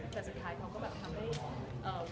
แต่สุดท้ายเขาก็ทำให้เวลานี้เป็นเวลาที่กันเลย